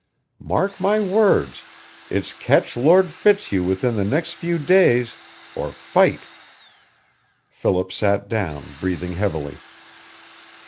Mark my words, it's catch Lord Fitzhugh within the next few days or fight!" Philip sat down, breathing heavily.